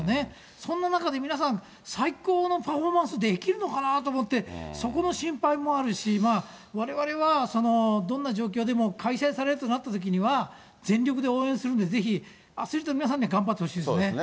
そんな中で、皆さん、最高のパフォーマンスできるのかなと思って、そこの心配もあるし、まあ、われわれはどんな状況でも、開催されるとなったときには全力で応援するんで、ぜひアスリートの皆さんには頑張ってほしいですね。